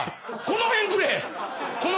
この辺くれ。